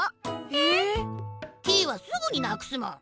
えっ！？キイはすぐになくすもん！